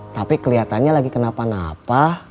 tapi kelihatannya lagi kenapa napa